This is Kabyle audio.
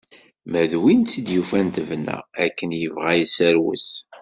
Ma d win tt-id yufan tebna, akken yebɣa i yesserwet.